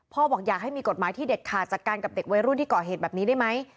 บอกอยากให้มีกฎหมายที่เด็ดขาดจัดการกับเด็กวัยรุ่นที่ก่อเหตุแบบนี้ได้ไหม